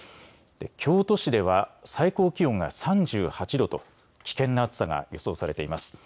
京都市では最高気温が３８度と危険な暑さが予想されています。